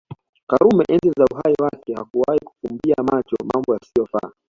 karume enzi za uhai wake hakuwahi kuyafumbia macho Mambo yasiofaa